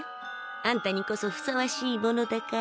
あんたにこそふさわしいものだから。